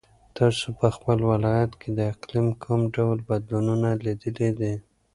تاسو په خپل ولایت کې د اقلیم کوم ډول بدلونونه لیدلي دي؟